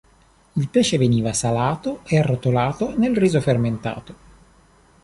Il pesce veniva salato e arrotolato nel riso fermentato.